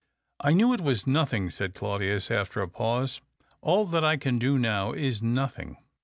" I knew it was nothing," said Claudius, after a pause. " All that I can do now is nothing.